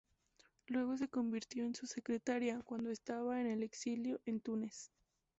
Luego se convirtió en su secretaria, cuando estaba en el exilio en Túnez.